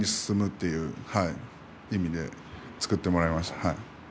前に進むという意味で作ってもらいました。